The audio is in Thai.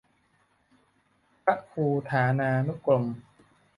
พระครูฐานานุกรม